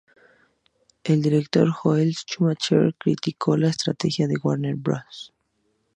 El director Joel Schumacher criticó la estrategia de Warner Bros.